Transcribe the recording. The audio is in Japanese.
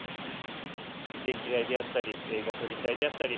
電気代であったり、ガソリン代であったり。